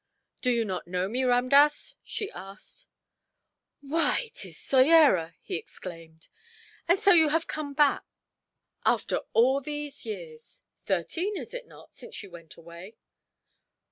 "Do you not know me, Ramdass?" she asked. "Why, 'tis Soyera!" he exclaimed. "And so you have come back, after all these years thirteen, is it not, since you went away?